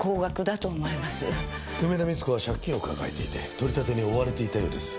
梅田三津子は借金を抱えていて取り立てに追われていたようです。